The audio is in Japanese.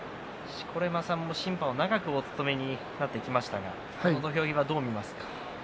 錣山さんも審判を長くお務めになってきましたが土俵際、どう見ますか？